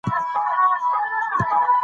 د ادب له لارې اخلاقو ته وده ورکول کیږي.